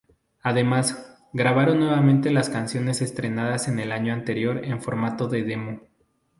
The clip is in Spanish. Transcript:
Además, grabaron nuevamente las canciones estrenadas en el año anterior en formato de demo.